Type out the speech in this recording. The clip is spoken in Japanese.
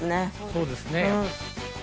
そうですね。